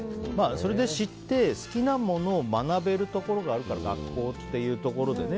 それを知って、好きなものを学べるところがあるから学校っていうところでね。